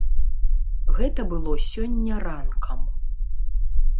Гэта было сёння ранкам.